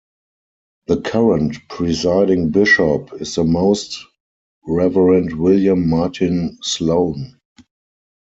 The current presiding bishop is the Most Reverend William Martin Sloane.